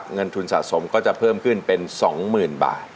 เงินทุนสะสมก็จะเพิ่มขึ้นเป็น๒๐๐๐บาท